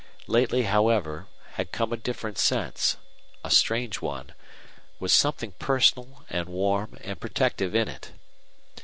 Lately, however, had come a different sense, a strange one, with something personal and warm and protective in it.